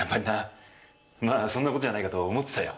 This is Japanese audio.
まあそんな事じゃないかと思ってたよ。